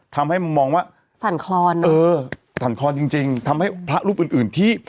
ทำให้มองว่าสั่นคลอนเออสั่นคลอนจริงจริงทำให้พระรูปอื่นอื่นที่